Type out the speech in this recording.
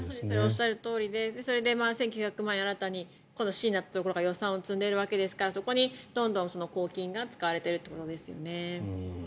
おっしゃるとおりで１９００万円、新たに市になったところが予算を積んでいるわけですからそこにどんどん公金が使われてるということですよね。